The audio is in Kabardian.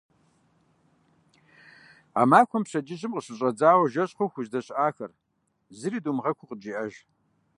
А махуэм пщэдджыжьым къыщыщӏэдзауэ жэщ хъуху уздэщыӏахэр, зыри думыгъэхуу, къыджеӏэж.